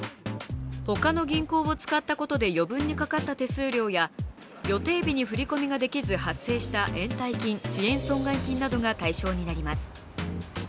他の銀行を使ったことで余分にかかった手数料や予定日に振り込みができずに発生した延滞金、遅延損害金などが対象になります。